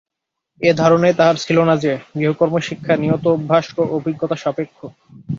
এই ধারণাই তাহার ছিল না যে, গৃহকর্মশিক্ষা নিয়ত অভ্যাস ও অভিজ্ঞতাসাপেক্ষ।